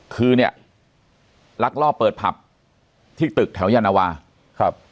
คือเนี่ยลักลอบเปิดผับที่ตึกแถวยานวาครับ